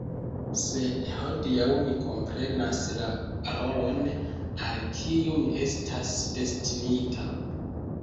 Sed hodiaŭ mi komprenas la rolon, al kiu mi estas destinita.